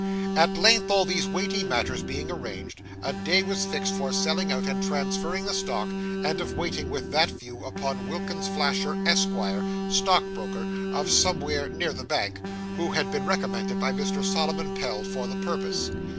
At length all these weighty matters being arranged, a day was fixed for selling out and transferring the stock, and of waiting with that view upon Wilkins Flasher, Esquire, stock broker, of somewhere near the bank, who had been recommended by Mr. Solomon Pell for the purpose.